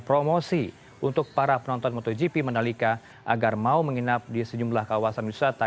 promosi untuk para penonton motogp mandalika agar mau menginap di sejumlah kawasan wisata